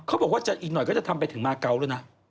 เขาบอกว่าอีกหน่อยก็จะทำไปถึงมาเกาแล้วนะ